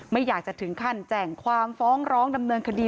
ไม่อยากจะถึงขั้นแจ่งความฟ้องร้องดำเนินคดี